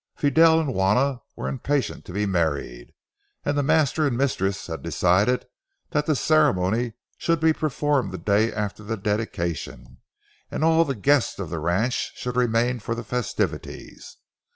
Fidel and Juana were impatient to be married, and the master and mistress had decided that the ceremony should be performed the day after the dedication, and all the guests of the ranch should remain for the festivities.